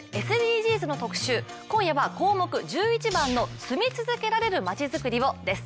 ＳＤＧｓの特集、今夜は項目１１番の「住み続けられるまちづくりを」です。